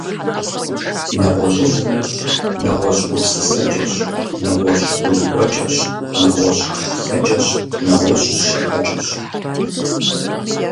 НэгъуэщӀыбзэр — нэгъуэщӀ гупсысэкӀэщ, нэгъуэщӀ гурыӀуэкӀэщ, нэгъуэщӀ хэплъэкӀэщ, нэгъуэщӀ щыӀэкӀэщ.